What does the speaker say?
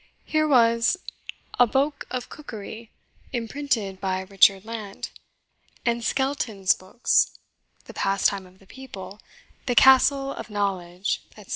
Here was a "BOKE OF COOKERY, IMPRINTED BY RICHARD LANT," and "SKELTON'S BOOKS" "THE PASSTIME OF THE PEOPLE" "THE CASTLE OF KNOWLEDGE," etc.